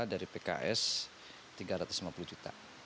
dari pks tiga ratus lima puluh juta